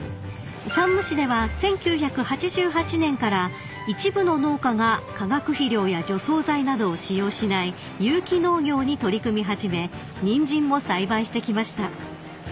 ［山武市では１９８８年から一部の農家が化学肥料や除草剤などを使用しない有機農業に取り組み始めニンジンも栽培してきました］